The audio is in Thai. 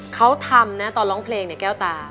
เขาทำนะตอนร้องเพลงเนี่ยแก้วตา